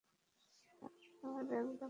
তোমার ব্যাগ দেখাও।